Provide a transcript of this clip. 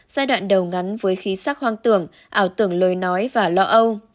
giai đoạn đầu ngắn với khí sắc hoang tưởng ảo tưởng lời nói và lo âu